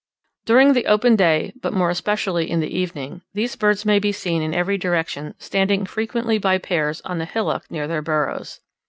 During the open day, but more especially in the evening, these birds may be seen in every direction standing frequently by pairs on the hillock near their burrows.